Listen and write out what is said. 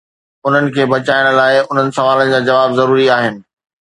انهن کي بچائڻ لاء، انهن سوالن جا جواب ضروري آهن.